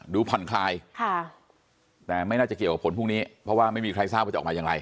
ผ่อนคลายแต่ไม่น่าจะเกี่ยวกับผลพรุ่งนี้เพราะว่าไม่มีใครทราบว่าจะออกมาอย่างไร